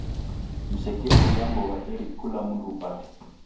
Msekeuruya mbogha eri kula umu upate.